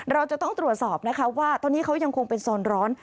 เราจะต้องตรวจสอบนะคะว่าตอนนี้เขายังคงเป็นโซนร้อน